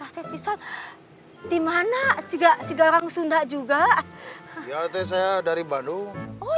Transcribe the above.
saya juga dari bandung